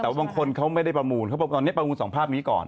แต่ว่าบางคนเขาไม่ได้ประมูลเขาบอกตอนนี้ประมูลสองภาพนี้ก่อน